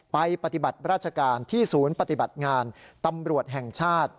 ปฏิบัติราชการที่ศูนย์ปฏิบัติงานตำรวจแห่งชาติ